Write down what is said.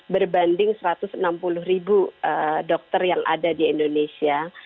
berbanding satu ratus enam puluh ribu dokter yang ada di indonesia